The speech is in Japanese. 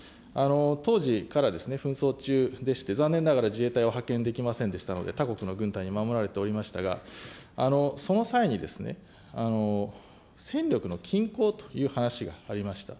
当時から紛争中でして、残念ながら自衛隊を派遣できませんでしたので、他国の軍隊に守られておりましたが、その際に、戦力の均衡という話がありました。